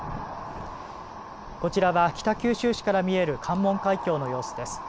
こちらは北九州市から見える関門海峡の様子です。